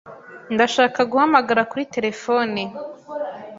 Ndashaka guhamagara kuri terefone.